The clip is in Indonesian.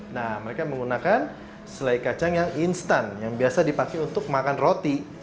nah mereka menggunakan selai kacang yang instan yang biasa dipakai untuk makan roti